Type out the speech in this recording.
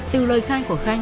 từ lời khai của khanh